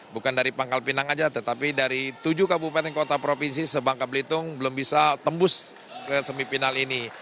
bukan dari pangkal pinang saja tetapi dari tujuh kabupaten kota provinsi sebangka belitung belum bisa tembus ke semifinal ini